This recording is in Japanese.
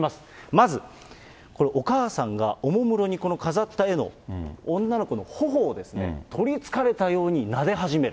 まず、これ、お母さんがおもむろにこの飾った絵の女の子のほほを、取りつかれたようになで始める。